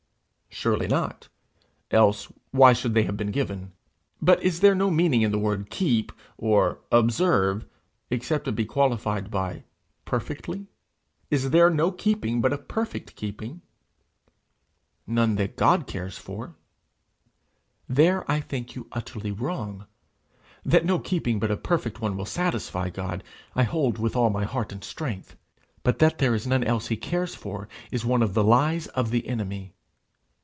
Surely not else why should they have been given? But is there no meaning in the word keep, or observe, except it be qualified by perfectly? Is there no keeping but a perfect keeping? 'None that God cares for.' There I think you utterly wrong. That no keeping but a perfect one will satisfy God, I hold with all my heart and strength; but that there is none else he cares for, is one of the lies of the enemy.